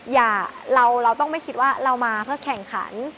เราต้องไม่คิดว่าเรามาเพื่อแข่งขัน